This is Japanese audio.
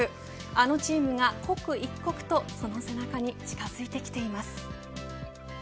あのチームが刻一刻とその背中に近づいてきています。